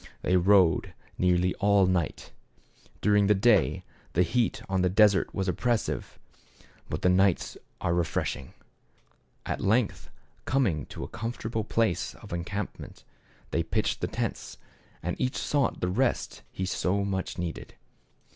They rode nearly all night. During the day the heat on the desert is oppressive, but the nights are refreshing. At length, coming to a comfortable place of encampment, they pitched the tents, and each sought the rest he so much needed.